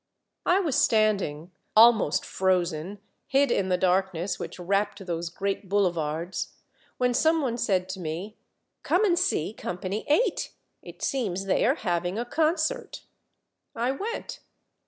I was standing, almost frozen, hid in the dark ness which wrapped those great boulevards, when some one said to me, —*' Come and see Company Eight. It seems they are having a concert !" I went.